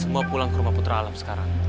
saya mau pulang ke rumah putra alam sekarang